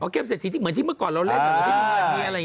เกมเศรษฐีที่เหมือนที่เมื่อก่อนเราเล่น